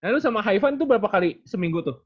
nah lu sama hai fun tuh berapa kali seminggu tuh